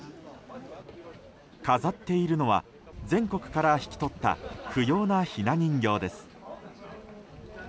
飾っているのは全国から引き取った不要なひな人形です。